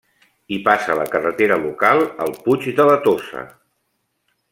Hi passa la carretera local al Puig de la Tossa.